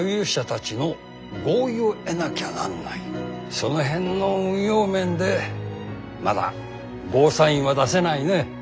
その辺の運用面でまだゴーサインは出せないね。